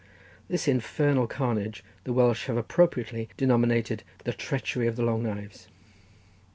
This infernal carnage the Welsh have appropriately denominated the treachery of the long knives.